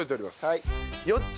はい。